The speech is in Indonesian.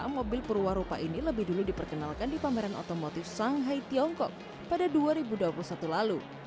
enam mobil perwarupa ini lebih dulu diperkenalkan di pameran otomotif shanghai tiongkok pada dua ribu dua puluh satu lalu